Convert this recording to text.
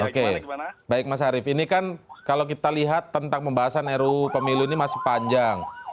oke baik mas arief ini kan kalau kita lihat tentang pembahasan ruu pemilu ini masih panjang